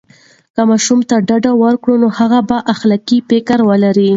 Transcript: که ماشوم ته ډاډ ورکړو، نو هغه به خلاقه فکر ولري.